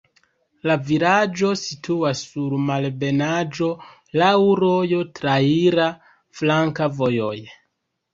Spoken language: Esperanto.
La vilaĝo situas sur malebenaĵo, laŭ rojo, traira flanka vojoj.